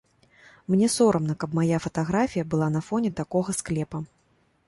Мне сорамна, каб мая фатаграфія была на фоне такога склепа.